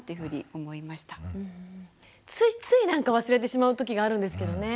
ついついなんか忘れてしまうときがあるんですけどね。